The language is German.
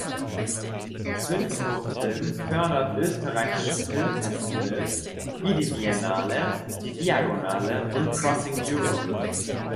Synchro Film fördert österreichische Filmfestivals wie die Viennale, die Diagonale und Crossing Europe.